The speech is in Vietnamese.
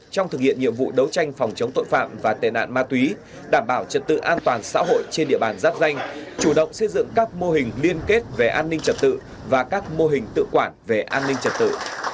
trong thực hiện nhiệm vụ đấu tranh phòng chống tội phạm và tệ nạn ma túy đảm bảo trật tự an toàn xã hội trên địa bàn giáp danh chủ động xây dựng các mô hình liên kết về an ninh trật tự và các mô hình tự quản về an ninh trật tự